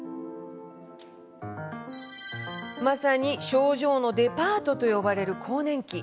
症状のデパートとも呼ばれる更年期。